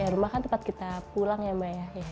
ya rumah kan tempat kita pulang ya emang ya